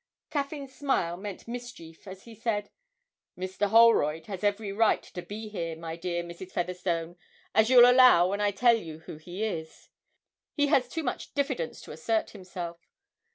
Caffyn's smile meant mischief as he said: 'Mr. Holroyd has every right to be here, my dear Mrs. Featherstone, as you'll allow when I tell you who he is. He has too much diffidence to assert himself.